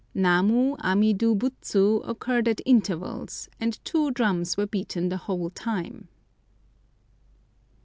Namu amidu Butsu occurred at intervals, and two drums were beaten the whole time!